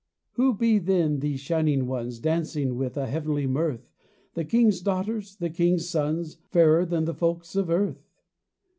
Who be then these shining ones Dancing with a heavenly mirth, The King's daughters, the King's sons, Fairer than the folk of earth